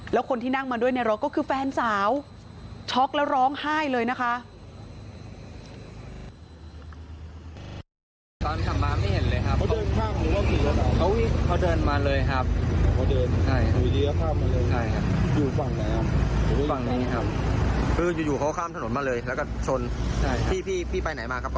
แล้วคนที่นั่งมาด้วยในรถก็คือแฟนสาวช็อกแล้วร้องไห้เลยนะคะ